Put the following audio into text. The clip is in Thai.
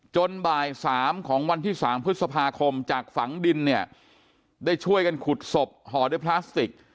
บ่าย๓ของวันที่๓พฤษภาคมจากฝังดินเนี่ยได้ช่วยกันขุดศพห่อด้วยพลาสติก